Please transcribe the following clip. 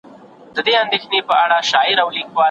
دلته ښخي پر هر ګام دي ککرۍ د برېتورو